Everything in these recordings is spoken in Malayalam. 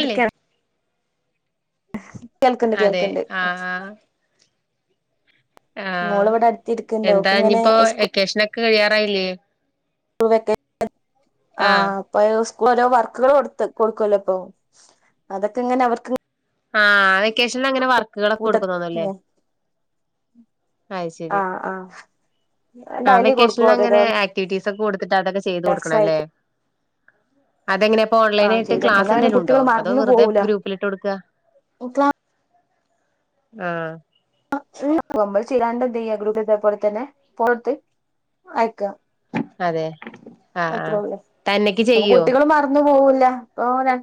അല്ലേ അതെ ആ ആ മോള് ഇവിടെ അടുത്തിരിക്ണ്ട് എന്താ ഓക്കിങ്ങനെ ഇനിയിപ്പോ സ് വെക്കേഷനൊക്കെ കഴിയാറായില്ലേ [unintelligible] ആഹ് പ്പയോസ് ഓരോ വർക്കുകളും കൊടുത്ത് കൊടുക്കല്ലോ പ്പൊ അതൊക്കെ ങ്ങനെ അവർക്ക് ആഹ് വെക്കേഷനി അങ്ങനെ വർ ക് കളൊക്കെ കൂട്ട കൊടുക്കുന്നതെല്ലേ ആഹ് ആഹ് ഡൈലി കൊടുക്കും ഓരോരോന്ന് [unintelligible] ത്തിട്ട അതൊക്കെ ചെയ്തു കൊടുക്കണംല്ലേ അതെങ്ങനെപ്പോ ആ ഓൺലൈൻ ആയിട്ട് ചെയ്തൊക്കെ ക്ലാസ് എന്നാ പിന്നെ എന്തേലും ഉണ്ടോ കുട്ടികൾ അതോ മറന്നു വെറുതെ പോവൂല ഗ്രൂപ്പിലിട്ട് കൊടുക്ക ആഹ് [unintelligible] പോലെ തന്നെ പുറത്ത് അയക്കുക അതെ ആഹ് ആഹ് അത്രോള്ളു തന്നെക്ക് അപ്പൊ ചെയ്യോ കുട്ടികള് മറന്നു പോവൂ ല്ല ഏനെ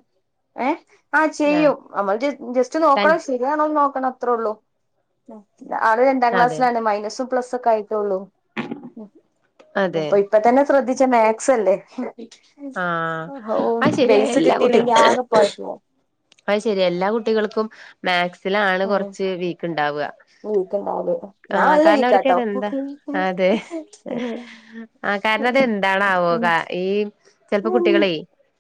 എഹ് ആ ആഹ് ചെയ്യും നമ്മൾ ജസ് ജസ്റ്റ് തൻ നോക്കണം ശരി ആണോന്ന് നോ [unintelligible] അത്രേ ഉള്ളൂ ആ അത് രണ്ടാം അതെ ക്ലാസ്സിലാണ് മൈനസ്സും പ്ലസും പ കൈ അതെ അപ്പൊ ഇപ്പ തന്നെ ശ്രദ്ധിച്ച [unintelligible] മാത്‍സ് അല്ലേ ആഹ് ഓ അത് ശരിയാ ബേസ് കിട്ടിയില്ലെങ്കി ആകെ പോയ പോ അ ശെരി എല്ലാ കുട്ടികൾക്കും മാക് [unintelligible] ആണ് കുറച്ച് വീക്ക് ഇണ്ടാവുക വീക്കണ്ട ഞാൻ നല്ല വീക്കാട്ടോ അതെന്താ അതെ ആഹ് ചിലപ്പോ കുട്ടികളേ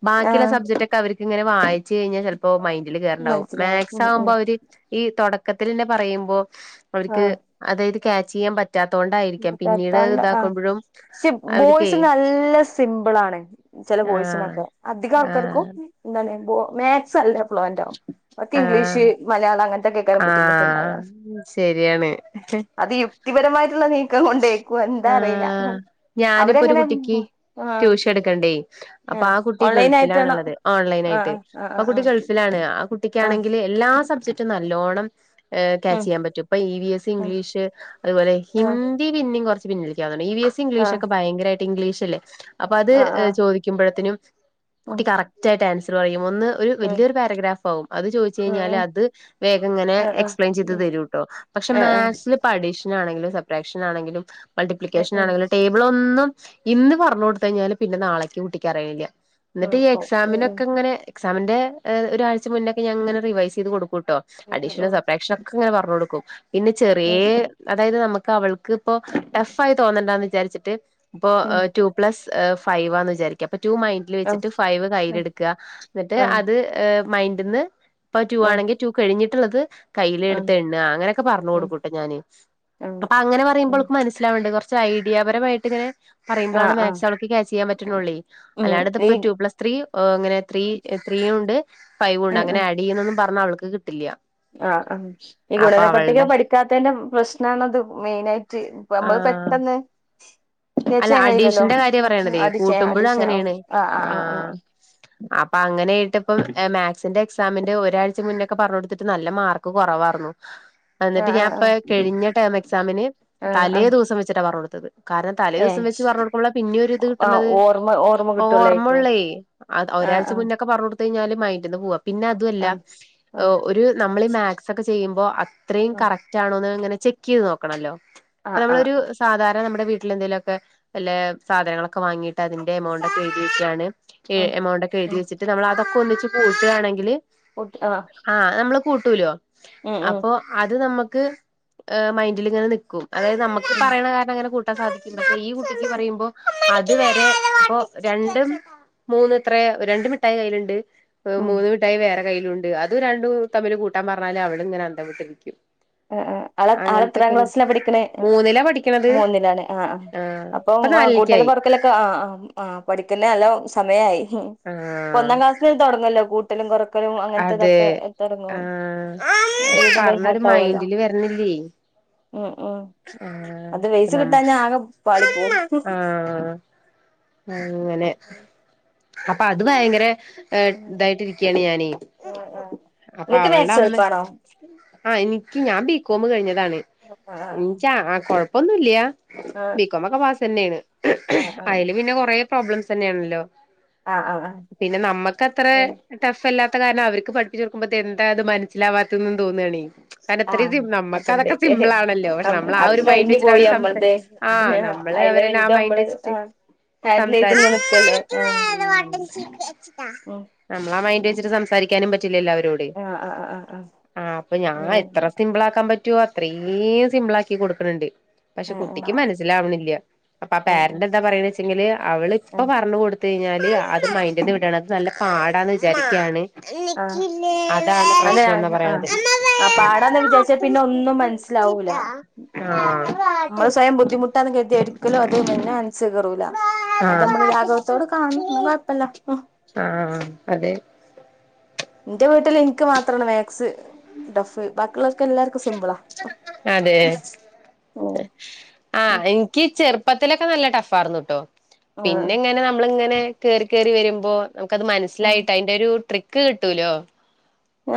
ബാക്കിയുള്ള ആഹ് സബ്ജെക്റ്റ് ഒക്കെ അവര് ഇങ്ങനെ വായിച്ച്കഴിഞ്ഞാൽ ചില ഓ മൈ ഇതില് കേർണ്ടാവും. മനസ്സിലാവും മാത്‍സ് ഉം ഉം ആവുമ്പോ വര് ഈ തൊട ക്കത്തിൽ തന്നെ പറയുമ്പോ അവർക്ക് അതായത് ക്യാച്ച് ചെയ്യാൻ പറ്റ് മ് തോണ്ട സിപ് ആ അവര്ക്കേ ബോയ്സ് നല്ല സിമ്പിൾ ആണ് ചില ആഹ് ബോയ്സിനൊക്കെ അധികം ആൾക്കാർക്കും ആഹ് ന്താണ് അപ്പോ മാത്‍സ് അല്ല [unintelligible] ആഹ് ഇംഗ്ലീഷ് മലയാളം അങ്ങതൊക്കെ കേൾക്കുമ്പോൾ ബുദ്ധിമുട്ടുണ്ടാക ആഹ് ശരിയാണ് അത് ഇ വ്യക്തി പരമായിട്ടുള്ളത് ആ ഞാനിപൊരു ഒരു അവരെങ്ങനെ കുട്ടിക്ക് ആഹ് ട്യൂഷൻ എടുക്ക്ണ്ടേ അപ്പൊ ആഹ് ആ കുട്ടി ഓൺലൈൻ ആയിട്ടാണോ ഗൾഫിലാണുള്ളത് ഓൺലൈൻ ആയിട്ട് ആഹ് ആ ആഹ് കുട്ടി ആഹ് ഗൾഫിലാണ് ആ ആഹ് കുട്ടിക്കാണെങ്കിൽ എല്ലാം ആ സബ്ജക്റ്റ് നല്ലോണം ക്യാച്ച് ആഹ് ചെയ്യാൻ പറ്റും ഇപ്പ ഇ വി എസ്, ഉം ഉം ഇംഗ്ലീഷ്, അതുപോലെ ആഹ് ഹിന്ദ പിന്നിം കൊർച്ച് പിന്നിൽക്കാ ഇിവി എസ് ആഹ് ഇംഗ്ലഷോക്കെ ഭയങ്കരാ ഇംഗ്ലീഷല്ലേ അപ്പൊ അത് ആഹ് ആഹ് ചോദിക്കുമ്പോഴത്തിനും [inaudible] ഉം കുട്ടി കറക്റ്റായിട്ട് ആൻ [unintelligible] ഒന്ന് ഉം വല്ല്യരു പാരഗ്രാഫ് ആകും അത് ചോദിച്ചഴിഞ്ഞാല് ഉം അത് വേഗം ഇങ്ങനെ ആഹ് ആഹ് എക്സ്പ്ലെൻ ചെയ്ത് ഉം തരുംട്ടോ പക്ഷെ ആഹ് ആഹ് മാത്സ് പയ് ഇഞ്ഞാണെങ്കിലും സപ്രേറ്റ് ഭക്ഷനാണെങ്കിലും ഉം മൾട്ടിപ്പ്ളിക്കേഷൻ ഉം ആണെങ്കിലും ടേബിളോന്നും ഇന്ന് പർഞ്ഞുകൊട്ത്ത് കഴിഞ്ഞാല് പിന്നെ നാളേക്ക് കുട്ടിക്ക് അറിയെല്ല ന്നട്ട് ഈ നടക്കും ഉം എക്സാമിനൊക്കെങ്ങനെ എക്സാമിന്റെ ഒരാഴ്ച മുന്നേക്കെ ഞങ്ങനെ റിവൈസ് ചെയ്ത് കൊടു ക്കുട്ടോ ഉം അഡീഷനു ഉം സപ്രേക്ഷണം ക്കങ്ങനെ പറ നോട്ക്കും പിന്നെ ചെറേ ഉം അതായത് നമ്മക്ക് അവൾ ക്കിപ്പോ ടഫ് ആയി തോന്നണ്ടാന്ന് വിചാരിച്ചിട്ട് ഇപ്പൊ ഉം ഉം ടു പ്ലസ് ഫൈവാന്ന് വിചാരിക്കാം ഇപ്പ ടു മൈൻ്റില് വെച്ചിട്ട് ഫൈവ് കയ്യില ആഹ് എടുക്കുക എന്നിട്ട് ആഹ് അത് മൈൻ്റ് ന്ന് ഇപ്പ ആഹ് ടുവാണെങ്കിൽ ടൂ കഴിഞ്ഞിട്ട് ള്ളത് കയ്യില് ഉം എടുത്ത് എണ്ണക അങ്ങനെയൊക്കെ പറഞ്ഞ ഉം കൊടുക്കൂട്ട ഞാന് ഉം അപ്പൊ അങ്ങനെ പറയ്മ്പോ ഉം മനസിലാവണ്ട് കുറ ച്ച് ഐഡിയാപരമായിട്ടിങ്ങനെ പറയ്മ്പളാണ് ആഹ് ആഹ് മാത്‌സവൾക്ക് ക്യാ ചെയാൻ പ [unintelligible] ഉം ഈ അല്ലാണ്ടിപ്പ ടു പ്ലസ് ത്രീ ഏ ഇങ്ങനെ ത്രീ ത്രീ ഉണ്ട് ഫൈവ് ഉണ്ട് അങ്ങനെ ആഡ് ചെയ്യുന്നൊന്നും പറഞ്ഞാ അവൾ കിട്ടില്ല ആ ആ ഈ അപ്പൊ ഗുണന പട്ടിക അവളുടെ പഠിക്കാത്തതിന്റെ പ്രശ്നാണത് മെയിന നമ്മള് ആ പെട്ടെന്ന് അല്ല തേച്ചാൻ കയ്യാല്ലോ അഡീഷന്റെ കാര്യ പറയണതേ അത് കൂട്ടുമ്പോഴും ശേ അങ്ങനെയാണ് ആ ആ ആ ആ ആഹ് അപ്പൊ അങ്ങനെ ആയിട്ട്പ്പം മാത്‌സിന്റെ എക്സാമിന്റെ ഒരാഴ്ച മുന്നൊക്കെ പറഞ്ഞു കൊടുത്തിട്ട് നല്ല മാർക്ക് കുറവാരുന്നു ആഹ് എന്നിട്ട് ഞാൻ ആഹ് ഇപ്പ ആഹ് കഴിഞ്ഞ ടേം എക്സാമിന് ആഹ് ആഹ് തലേ ആഹ് ദിവസം വെച്ചിട്ടാ പറഞ്ഞ് കൊടുത്ത് കാരണം തലേ ദെവസം ഏഹ് വെച്ച് പറഞ്ഞ കൊടുക്കുമ്പള പിന്നെ ഒരു ഇത് ആഹ് കിട്ടണത് ഓർമ്മ ഓർമ്മ കിട്ടുള്ളായിരിക്കും ഓർമ്മള്ളേ ആഹ് ഒരാഴ്ച ആഹ് മുന്നൊക്കെ പറഞ്ഞ കൊടു കഴഞ്ഞാ മൈൻഡ്ന് പോവാ പിന്നെ അതു അല്ല ആഹ് ആഹ് ഒരു നമ്മളി മാത് സൊക്കെ ചെയ്യുമ്പോ അ ഇത്രയും ആഹ് കറക്റ്റ് ആണോന്ന് അങ്ങനെ ചെക്ക് ചെയ്ത് നോക്കണല്ലോ ആഹ് നമ്മളൊരു ആഹ് സാധാ നമ്മുടെ വിട്ടില് വീട്ടിൽ എന്തേലൊക്കെ വല്ല സാധനങ്ങളൊക്കെ വാങ്ങീട്ട് അതിന്റെ എമൗണ്ട് ഒക്കെ എഴുതിട്ടാണ് എ ആഹ് എമൗണ്ട് ഒക്കെ എഴുതി ഉം വച്ചിട്ട് നമ്മള് അ ഒന്നിച്ച് പൂട്ടുവാണെങ്കില് ആ കൂട്ടൂലോ അപ്പൊ അത് നമുക് ഇത് മൈൻഡിൽ ഇങ്ങനെ നിക്കും അതായത് നമുക്ക് ഉം പറയ കാരണങ്ങൾക് സാധിക്കണ്ട് ഈ കുട്ടിക്ക് പറയുമ്പോ അത് വരെ ഇപ്പൊ രണ്ടും മൂന്ന് ഇത്ര രണ്ട് മിഠായി കയ്യിലുണ്ട് ഉം മൂന്ന് മിട്ടായി വേറെ കയ്യിലുണ്ട് അതും രണ്ടും തമ്മിൽ കൂട്ടാൻ പറഞ്ഞാല് അവള ഇങ്ങനെ അന്തം വിട്ട് നിൽക്കും ആ ആ ആ ആള എത്രാം ക്ലാസ്സില പഠിക്കണ മൂന്നിലാ പഠിക്കണത് മൂന്നിലാണ് ആ ആ ആഹ് അപ്പം ഇപ്പൊ കൂട്ടലും നാലിലേക്കായി കൊറേക്കലൊക്കെ ആ ആ ആ പിന്നെ നല്ലോം സമയായി ഉ ആഹ് ഒന്നാം ക്ലാസ്സി തുടങ്ങല്ലോ കൂട്ട ട്ടലും കൊറക്കലും അതെ അങ്ങനത്തെതൊക്കെ എ തുടങ്ങും [unintelligible] മൈന്ഡില് വരണില്ലേ ഉം ഉം ആഹ് അത് ബെയ്‌സ് നം കിട്ടാഞാ ആകെ പാളി പോകും ആഹ് അങ്ങനെ അപ്പൊ അത് ഭയങ്കര ഏ ഉം ഇതായിട്ടിരിക്കയാണ് ഞാന് ആഹ് ആഹ് അപ്പൊ നിങ്ങക്ക് അവളുടെ മാത്സ് അമ്മ എളുപ്പാണോ ആഹ എനിക്ക് ഞാൻ ബി കോം കഴിഞ്ഞത് താണ് ആഹ് ഇൻക്കാ ആ കൊഴ ഒന്നുംല്ലയാ ആഹ് ബികോം ഒക്കെ പാസ് തന്നെയാണ് ആഹ് ആഹ് അതില് പിന്നെ കൊറെ പ്രോബ്ലംസ് തന്നെയണല്ലോ ആഹ് ആഹ് ആഹ് പിന്നെ നമ്മക്ക് അത്ര ഉം ടഫ്ല്ലാ അതു കാരണം അവർക്ക് പഠിപ്പിച്ച കൊടുക്കുമ്പോ എന്താ അത് മനസ്സാവാത്തതന്ന് തോന്നയാണെ കാരണം ആഹ് അത്രയും നമ്മക്ക് അതുണ്ട് അതൊക്കെ സിമ്പിൾ ആണല്ലോ പക്ഷെ നമ്മൾ ആ അത് ഒരു മൈൻഡ് കഴഞ്ഞ് വെച്ചിട്ട് പോയി അവരെ സംസാ നമ്മൾത് ആഹ് നമ്മള് അയിലും അവരന്നെ ആ വലുത് മൈൻഡ് നമ്മള് വെച്ചിട്ട് ആ ഹാൻഡിൽ ചെയ്ത്ങ്ങ് സംസാരിക്കും നിക്കല്ലേ ആ നമ്മളാ [unintelligible] സംസാരിക്കാനും അവരോട് ആഹ് ആഹ് ആഹ് ആഹ് ആഹ് ആ അപ്പൊ ഞൻ ഉം എത്ര സിമ്പിൾആക്കാൻ ചോത്ത്രസ് [unintelligible] സിംമ്പിൾ ആക്കി കൊടുക്കുന്നുണ്ട് പക്ഷെ ആഹ് കുട്ടിക്ക് ആഹ് മനസ്സിലാവണില്ല അപ്പൊ ആ ആഹ് പാരന്റ് എന്താ പറയ വെച്ചെങ്കില് അവള് ആഹ് ഇപ്പ ആഹ് പറഞ്ഞു കൊടുത്ത എടി ഞാൻ അത് മൈൻഡിന്ന് വിടാണ് അത് നല്ല പാടാന്ന് വിചാരിക്കുകയാണ് എനിക്കില്ലേ അതെ ആന്ന് ആ ആ പാടാന്ന് വിചാരിച്ചാ പിന്നെ ഒന്നും മനസ്സിലാവൂല്ല ആ ആ നമ്മള് സ്വയം ബുദ്ധിമുട്ടാന്ന് കരുതി ഒരിക്കലും അത് ഒന്നും മനസി കേറൂല്ല അത് നമ്മൾ ആഹ് ലാഘവത്തോട് കാണും ന്നാകുഴപ്പുല്ല ഉം ആഹ് അതെ എന്റെ വീട്ടിൽ എനിക്ക് മാത്രാണ് വേ ശ്ശ് ഡഫ് ബാക്കിയുള്ളർക്കെല്ലാർക്കും സിമ്പിളാ ഉം ആ ഉം എനിക്ക് ചെ പ്പത്തിലക്ക നല്ല ടഫാർന്നുട്ടോ ആഹ് പിന്നെ ഇങ്ങനെ നമ്മളിങ്ങനെ കേറി കേറി വരുമ്പോ നമുക്കത് ഉം മനസിലായിട്ട് അതിന്റൊരു ട്രി കിട്ടൂലോ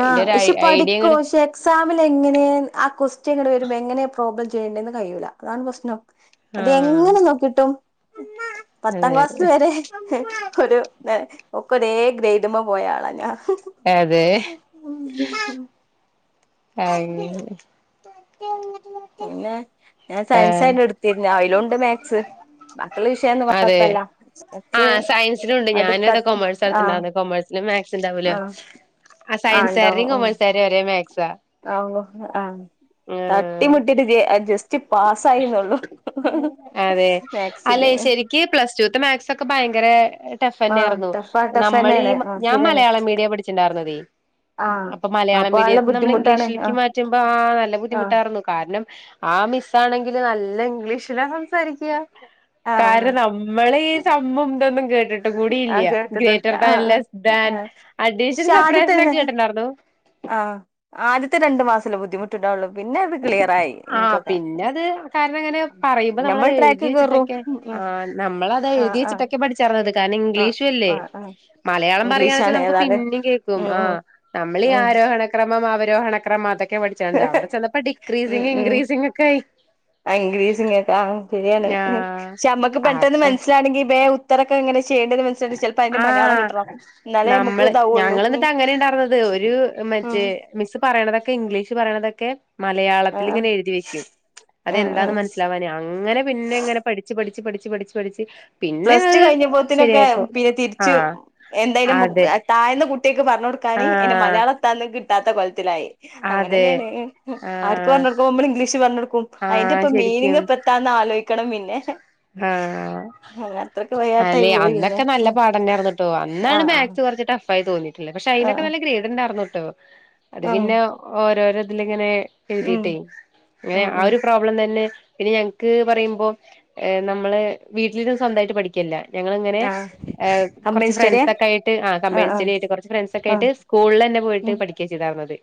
ആ ഒരു ഇഷെ ഐഡിയ പഠിക്കോ ഇങ്ങട് ഷെ എക്സാമിലെ ങ്ങനെ ആ ക്വസ് ച്ചി ഇങ്ങട് വരുമ്പ എങ്ങനെയാ പ്രോബ് ചെയ്യേണ്ടന്ന് കഴിയൂല്ല അതാണ് പ്രശ്നം അത് ആഹ് എങ്ങനെ നോക്കിട്ടും പത്താം അതെ ക്ലാസ്സിൽ വരെ ഒരു ഒക്ക ഒരേ ഗ്രൈഡ്മ പോയാളാ ഞാ അതെ ആ പിന്നെ ഞാൻ സയൻസായിരുന്നു എടുത്തിരുന്ന അയ്ലുണ്ട് മാത്സ് ബാക്കിയുള്ള വിഷയൊന്നും അതെ കുഴപ്പല്ല അത് ആഹ് സയൻസിനുണ്ട് അത് ക ആ ലെ മാത് ത്‌ന്താവൂല്ലാ ആ ആഹ് ഉണ്ടാവും സയൻസാര്ടേയും ഉം കേമേഴ്സാര്ടേയും ഒരേ മേ സ ആ ആഹ് തട്ടിമുട്ടിട്ട് ജസ്റ്റ് പാസ്സായിന്നൊള്ളു അതെ അല്ലെ മാക്സില് ശരിക്ക് പ്ലസ് ടുത്തെ മാത്സ് ഒക്കെ ഭയങ്കര ടഫ് ആഹ് അന്നെർന്നു ടഫാ നമ്മളീ ടഫന്നെയാണ് മ ആഹ് ഞാൻ ശരിയാണ് മലയാള മീഡിയാ പഠിച്ച്ണ്ടാർന്നതേ ആഹ് അപ്പൊ മലയാള നല്ല മീഡിയത്തി നമ്മൾ ഇ ബുദ്ധിമുട്ടാണ് ഷീക്ക് ആഹ് മാറ്റുമ്പ ആ നല്ല ആഹ് ബുദ്ധിുട്ടാർന്നു കാരണം ആമിസ്സാണെങ്കില് നല്ല ഇംഗ്ലീഷിലാ സം സാരിക്ക ആഹ് കാരണം ആഹ് നമ്മളീ സമ്മെന്തന്നും കേട്ട ട്ട ആഹ് ട്ടുംകൂടിയില്ല ഗ്രേറ്റർ കേട്ടിട്ടുണ്ട് ദാൻ ആഹ് ആഹ് ലെസ് ദാൻ ആഹ് അഡീഷൻ സപ്പറേഷൻ ന്നൊക്കെ കേട്ടണ്ടാർന്നു ആ ആദ്യത്തെ രണ്ടു മാസം ആ എനിക്കൊക്കെ പിന്നെ അത് കാരണം അങ്ങനെ പറയുമ്പോ നമ്മൾ നമ്മളത് എഴുതി ട്രാക്ക് കേറും വെച്ചിട്ടൊക്കെ ആ നമ്മളത് ആഹ് എഴുതി ആഹ് വെച്ചിട്ടൊക്കെ പഠിച്ചാർന്നത് ആഹ് ഇംഗ്ലീഷിലല്ലേ ആഹ് ആഹ് മലയാളം പറയാന്നുവെച്ച ഇംഗ്ലീഷാണ് നമുക്ക് ഏതായാലും പിന്നേം കേൾക്കും ഉം ആ ഉം നമ്മളീ ഉം ആരോഹണക്രമം അവരോ രോഹണക്രമാത് ഉം ഉം ഇൻക്രീസിങ് ഒക്കെ ആയി ഇൻക്രീസിങ്ങൊക്കെ ആ ശരിയാണ് ക്ഷെ അമ്മക്ക് ആഹ് പെട്ടെന്ന് അപ്പൊ മനസ്സിലാണെങ്കി വേ തിരക്കെങ്ങനെ ആഹ് എന്നാലേ നമുക്ക് നമ്മള് ഇതാവുള്ളൂ ഞങ്ങള് ഉം എന്നിട്ട് അങ്ങനെ ഉണ്ടായിർന്നത് ഒരു ഉം മറ്റേ മിസ് പറയണതൊക്കെ ഇംഗ്ലീഷ് സ്സ് പറയണതൊക്കെ ആ മലയാളത്തിലിങ്ങനെ എഴുതി വെക്കും ആ ആ അതെന്താന്ന് മനസ്സിലാവാനേ അങ്ങനെ പിന്നെ ഇങ്ങനെ പഠിച്ച് പഠിച്ച് പഠി ച്ച് പഠിച്ചു പഠിച്ച് പിന്നെ അത് ഇനൊക്കെ ശരിയായപ്പോ പിന്നെ തിരിച്ചു ആഹ് എന്തായാലും അതെ താഴ്ന്ന കുട്ടി പറഞ്ഞു തനി അതിന്റെ ആഹ് മലയാളം എന്താന്ന് [unintelligible] സിലായി അതെ അങ്ങനെന്നയാണ് അവർക്ക്‌ ആഹ് രണ്ടോർക്കും നമ്മള് ഇംഗ്ലീഷ് പറഞ്ഞ് കൊടുക്കും അതിന്റെ ആഹ് ഇപ്പ ശരിക്കും മീനിങ്ങ് പ്പ എത്താന്ന് ആലോചിക്ക ഇക്കണം പിന്നെ ആഹ് അങ്ങനെ അത്രക്ക് വയ്യാട്ടായി അല്ലെ പോയി പിന്നെ അന്നൊക്കെ നല്ല പാടന്നാരുന്നൂട്ടോ ആ അന്നാണ് ആ മാത്‍സ് കുറച്ചു ടഫ് [unintelligible] ല്ല പക്ഷെ ആ ആ അതിനൊക്കെ നല്ല ഗ്രേഡ് ഉണ്ടാർന്നു അത് ഉം പിന്നെ ഓരോരോ തിലിങ്ങനെ ഉം എഴുതീട്ടേ അങ്ങനെ ഉം ആ ഉം ഒരു പ്രോബ്ലം തന്നെ പിന്നെ ഞങ്ങ്ക്ക് പറയുമ്പോ ഏഹ് നമ്മളെ വീട്ടിലിരിന്ന് സ്വന്തായിട്ട് പഠിക്കല്ല ഞങ്ങള്ങ്ങനെ ആഹ് കമ്പൈൻ കൊറ്ച്ച് സ്റ്റഡിയാ ഫ്രണ്ട്സ് ഒക്കെ ആയിട്ട് ആ ആഹ് കമ്പൈൻസ്റ്റഡി ആഹ് ആയിട്ട് കൊറച്ച് ഫ്രണ്ട്സ് ആഹ് ഒക്കെയായിട്ട് സ്കൂളെന്നെ പോയിട്ട് ഉം പഠിക്ക്വാചെയ്താര്ന്നത്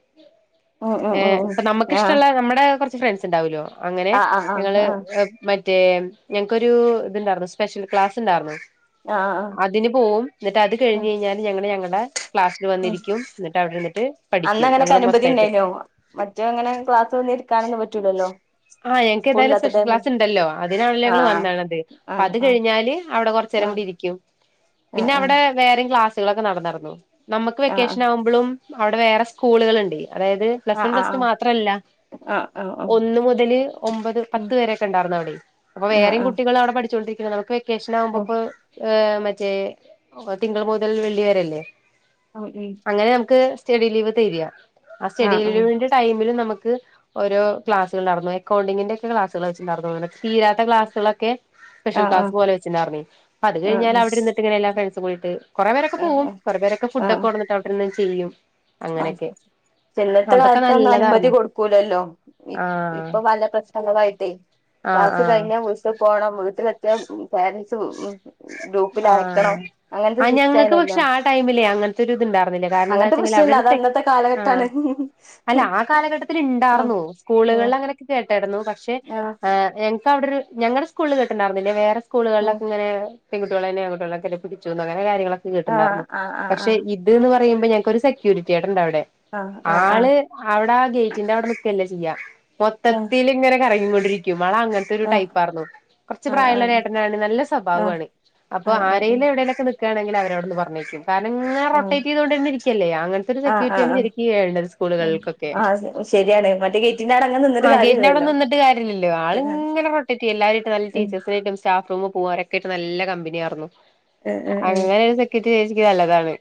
ഉം ഉം ഉം ഏഹ് ഉം അപ്പൊ ആഹ് നമുക്കിഷ്ടെള്ള നമ്മെടെ കൊറ്ച്ച് ഫ്രണ്ട്സ് ഉണ്ടാവൂല്ലോ അങ്ങനെ ആഹ് ആഹ് നിങ്ങള് ആഹ് ആഹ് ഏഹ് മ റ്റേ ഞങ്ങക്കൊരു ഇതുണ്ടാർന്നു സ്പെഷ്യൽ ക്ലാസ് ഉണ്ടാർന്നു ആഹ് ആഹ് അതിന് പോവും ന്നട്ട് അത് ഉം കഴിഞ്ഞ് കഴിഞ്ഞാല് ഞങ്ങള് ഞങ്ങ ളെ ഉം അന്ന് പഠിക്കും അങ്ങനെയൊക്കെ ഞങ്ങള് അനുമതി മൊത്തായിട്ട് ഉണ്ടായിനോ മറ്റേ അങ്ങനെ ക്ലാസ് വന്ന് ഇരിക്കാനൊന്നും പറ്റൂലല്ലോ ആഹ് ഞങ്ങക്ക് ഏതായാലും സ്കൂളില്ലാത്ത സ്പെഷ്യൽ ടൈമിൽ ക്ലാസ് ഉണ്ടല്ലോ അതിനാണല്ലോ ഞങ്ങള് ആഹ് വന്നണത് അപ്പൊ ആഹ് അത് ആഹ് കഴിഞ്ഞാല് അവിടെ കൊറച്ച് നേരം ആഹ് കൂടി ഇരിക്കും ആഹ് പിന്നെ അവടെ ആഹ് വേറെയും ക്ലാസ് ട്ടികളൊക്കെ നടന്നാരുന്നു നമുക്ക് ആഹ് വെക്കേഷൻ ആവുമ്പോളും അവിടെ വേറെ സ്കൂളുകള്ണ്ട് അതായത് plus ah one ah plus two ആഹ് മാത്രല്ല ആഹ് ആഹ് ആഹ് ഒന്നും ഒന്ന് മു തല് ഒമ്പത് ഉം പത്ത് പേരൊക്കെ ഉണ്ടാർന്നവിടെ അവിടെ അപ്പൊ ആഹ് വേറെയും ആഹ് കുട്ടികൾ അവിടെ പഠിച്ചൊണ്ടിരിക്ക നമുക്ക് വെ ക്കേഷനാകുമ്പോ ആകുമ്പോ ഓഹ് ഇപ്പൊ ഏഹ് മ റ്റെ തിങ്കൾ മുതൽ വെള്ളി വരല്ലേ ഉം അങ്ങനെ നമുക്ക് സ്റ്റഡി ലീവ് തര്യാ ആ ഉം സ്റ്റഡി ആഹ് ആഹ് ലീവിന്റെ ടൈമില് നമു ക്ക് ഓരോ ക്ലാസുകള് നട ത്തും അക്കൗണ്ടിങ്ങിന്റെ ക്ലാസ്സുകള് വച്ച് ഇണ്ടാരുന്നു ഇങ്ങനെ തീരാത്ത ക്ലാസ്സുകളൊക്കെ സ്പെഷ്യൽ ആഹ് ക്ലാസ്സ് ആഹ് പോലെ വച്ചിട്ടിണ്ടാർന്നേ. അത് കഴിഞ്ഞാല് അവിടിരുന്നിട്ട് ആഹ് ഇങ്ങനെ എല്ലാ ഫ്രണ്ട്സും കൂടീ ട്ട് കൊറേ പേരൊക്കെ പോവും. ആഹ് കൊറേ പേരൊക്കെ ഫുഡ്ഡക്കെ കൊണ്ടോന്നിട്ട് അവടിരുന്ന് തിയ്യും ഇന്നത്തെ കാലത്തന്നും അനുമതി നല്ലതായിരുന്നു കൊടുക്കൂലല്ലോ ഇ ആഹ് ഇപ്പൊ പല പ്രശ്നങ്ങളായിട്ടേ ആഹ് ക്ലാസ്സ്‌ ആഹ് കഴിഞ്ഞ വീട്ടി പോണം വീട്ടിലെ ത്തിയ പാരന്റ്സ് ഇഹ് ആ ആ സിസ്റ്റം ഞങ്ങൾക്ക് പക്ഷെ ആയിനല്ലോ ആ ടൈമിലേ അങ്ങനത്തെ ഒരു ഇത്ണ്ടായിരുന്നില്ല കാരണം എന്താ അങ്ങനത്തെ പ്രശ്നമില്ല അത് വെച്ചെങ്കില് അന്നത്തെ കാലഘട്ടാണ് ഉം അല്ല ആ കാലഘട്ടത്തിൽ ഉം ഇണ്ടായിർന്നു സ്കൂളുകളിൽ അങ്ങനൊക്കെ കേ കിടന്നു പക്ഷെ ആഹ് ഞങ്ങ്ക്ക് അവിടെ ഒരു ഞങ്ങള്ടെ സ്കൂളില് കേട്ടുണ്ടാർന്നില്ലേ വേറെ ഉം സ്കൂളുകളിലൊക്കെ ഇങ്ങനെ പെൺകുട്ടികളോന്നെ ആൺകുട്ടികളെ പിടിച്ചോണ്ടന്നെ കാര്യങ്ങളൊക്കെ ആഹ് കേട്ടുണ്ടായിരുന്നു ആഹ് പക്ഷെ ആഹ് ഇത് ന്ന് പറഞ്ഞ പറയ്മ്പോ ഞങ്ങക്ക് ഒരു സെക്യൂരിറ്റിയാണ് ഇണ്ടവിടെ ആഹ് ആഹ് ആഹ് ആഹ് ആള് അവിടെ ആ ഗേറ്റിന്റെ അവിടെ നിക്കല്ലേ ഇയ്യ ഉം മൊത്തത്തില്ൽ ഇങ്ങനെ കറ കൊണ്ടിരിക്കും മള അങ്ങനത്തെ ഒരു ആഹ് ടൈപ്പ ആരുന്നു കൊറച്ച് ആഹ് പ്രായമുള്ള ആഹ് ചേട്ടനാണ് നല്ല സ്വഭാവമാണ് അപ്പൊ ആഹ് ആഹ് ആഹ് ഉം ആരേലും എവിടേലൊക്കെ എക്കയാണെങ്കിൽ അവരവിടുന്ന് പറഞ്ഞേക്കും കാരണം ഇങ്ങനെ റോട്ടേറ്റ് ചെയ്തോണ്ട ഇരിക്കല്ലേ അങ്ങനത്തെ ഒരു ആഹ് ആഹ് ആഹ് സെക്യൂരിറ്റിണ് ആഹ് ശരിക്കു വേണ്ടത് ഉം സ്കൂളുകൾക്കൊക്കെ ആഹ് ശരിയാണ് മറ്റേ ഗേറ്റിന്റെ അവിടെ അങ്ങനെ നിന്നിട്ട് ആ ഗേറ്റിന കാര്യമില്ലല്ലോ അവിടെന്നിട്ട് കാര്യലല്ല ആൾ ഇങ്ങനെ പ്രൊട്ടക്ട് ചെയ്യാം എല്ലാവരു നല്ല ഉം ടീച്ചേഴ്സിനായിട്ടും സ്ഫ [inaudible] കമ്പനിയ ആർന്ന ഉം ഉം ഉം അങ്ങനെ ഒരു സെക്യൂരിറ്റി ചേച്ചിക് എനി നല്ലതാണ്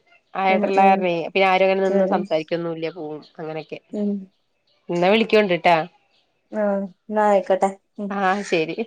ഉം ആയാട്ടള്ള ഉം കാരനേ അ പിന്നെ ആരും അങ്ങനെ ഉം നിന്ന് സംസാരിക്കൊന്നുംല്ല പോകും അങ്ങനെയൊക്കെ ഉം എന്നാ വിളിക്കോണ്ടിട്ടാ ആ എന്നാ ആയിക്കോട്ടെ ആഹ് ശരി